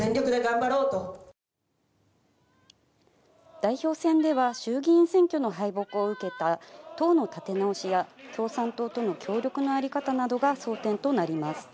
代表戦では衆議院選挙の敗北を受けた党の立て直しや共産党との協力のあり方などが争点となります。